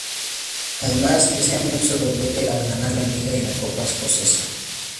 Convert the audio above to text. Además, ese año hizo doblete al ganar la Liga y la Copa escocesa.